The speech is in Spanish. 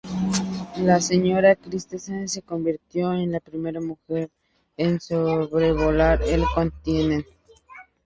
La señora Christensen se convirtió en la primera mujer en sobrevolar el continente.